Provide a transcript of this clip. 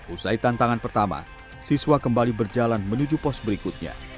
usai tantangan pertama siswa kembali berjalan menuju pos berikutnya